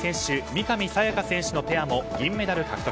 三上紗也可選手のペアも銀メダル獲得。